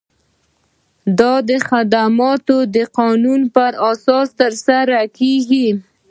دا خدمات د قانون په اساس ترسره کیږي.